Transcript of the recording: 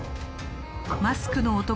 マスクの男